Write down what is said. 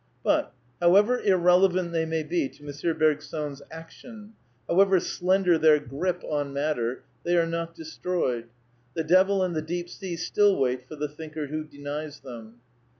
But, however irrelevant they may be to M. Bergson's action, however slender their " grip " on matter, they are not destroyed. The devil and the deep sea still wait for the thinker who denies them.